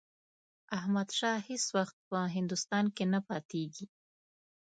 احمدشاه هیڅ وخت په هندوستان کې نه پاتېږي.